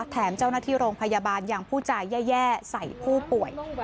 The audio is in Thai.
แถมเจ้าหน้าที่โรงพยาบาลยังผู้จาแย่ใส่ผู้ป่วย